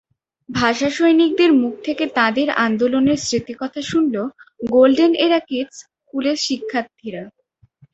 ভাষাসৈনিকদের মুখ থেকে তাঁদের আন্দোলনের স্মৃতিকথা শুনল গোল্ডেন এরা কিডস স্কুলের শিক্ষার্থীরা।